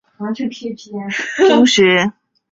包含小学部和中学部。